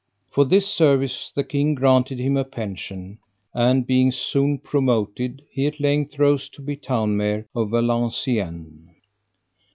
For this service the king granted him a pension, and being soon promoted, he at length rose to be town major of Valenciennes.